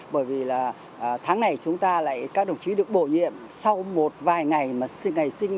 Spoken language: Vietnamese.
bởi vì là tháng này chúng ta lại các đồng chí được bổ nhiệm sau một vài ngày mà ngày sinh